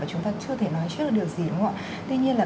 và chúng ta chưa thể nói trước được gì đúng không ạ